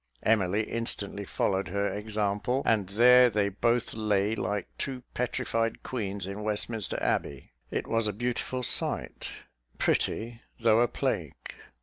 Emily instantly followed her example, and there they both lay, like two petrified queens in Westminster Abbey. It was a beautiful sight, "pretty, though a plague."